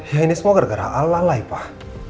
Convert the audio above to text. ya ini semua gara gara alalai pak